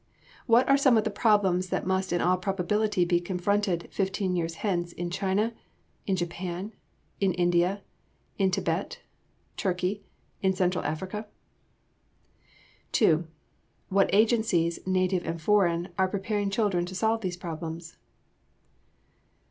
What are some of the problems that must in all probability be confronted fifteen years hence in China? in Japan? in India? in Thibet? Turkey? in Central Africa? 2. What agencies, native and foreign, are preparing children to solve these problems?